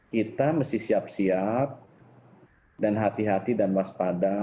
kita mesti siap siap dan hati hati dan waspada